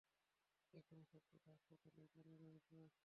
এখনো সবকয়টা হাসপাতালেই পরে রয়েছে।